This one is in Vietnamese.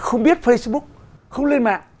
không biết facebook không lên mạng